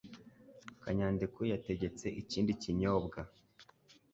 Kanyadekwe yategetse ikindi kinyobwa.